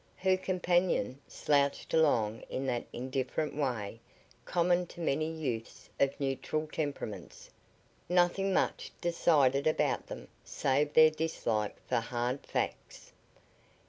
Her companion slouched along in that indifferent way common to many youths of neutral temperaments nothing much decided about them save their dislike for hard facts.